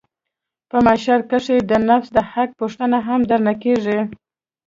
په محشر کښې د نفس د حق پوښتنه هم درنه کېږي.